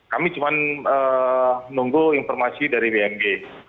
kami cuma menunggu informasi dari bmg